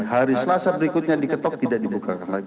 hari selasa berikutnya diketok tidak dibuka lagi